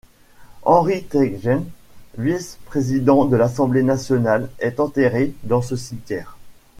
Henri Teitgen, vice-président de l'Assemblée nationale, est enterré dans ce cimetière.